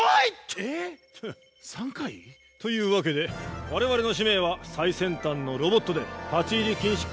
えっ３回？というわけで我々の使命は最先端のロボットで立ち入り禁止区域を撮影することだ。